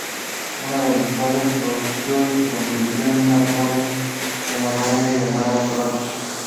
Uno de los cuales floreció y se convirtió en una joven humanoide llamada Flora.